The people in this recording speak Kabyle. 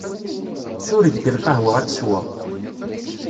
Sureg-d lqahwa ad tt-sweɣ.